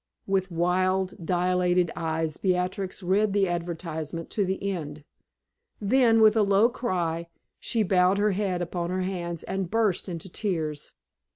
With wild, dilated eyes Beatrix read the advertisement to the end; then, with a low cry, she bowed her head upon her hands and burst into tears.